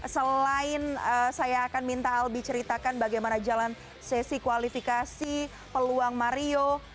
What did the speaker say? selain saya akan minta albi ceritakan bagaimana jalan sesi kualifikasi peluang mario